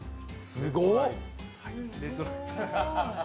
すごっ。